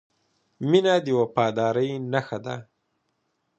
• مینه د وفادارۍ نښه ده.